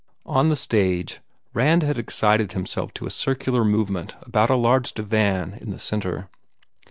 On the stage, Rand had excited himself to a circular movement about a large divan in the centre.